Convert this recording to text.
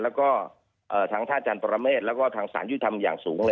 แล้วก็ทางท่าจาลปมเมษแล้วก็ทางศาลยุธรรมอย่างสูงเลย